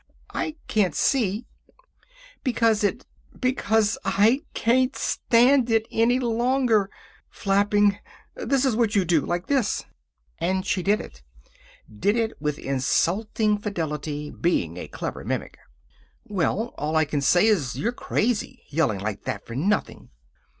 I can't see " "Because it because I can't stand it any longer. Flapping. This is what you do. Like this." And she did it. Did it with insulting fidelity, being a clever mimic. "Well, all I can say is you're crazy, yelling like that, for nothing."